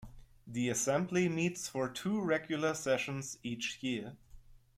The Assembly meets for two regular sessions each year.